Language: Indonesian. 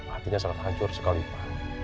hatinya sangat hancur sekali pa